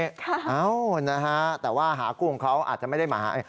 ข้าะครับครับแล้วนะคะแต่ว่าหาคู่ของเขาอาจจะไม่ได้มาหา